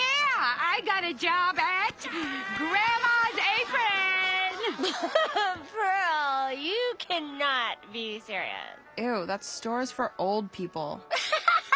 アハハハ。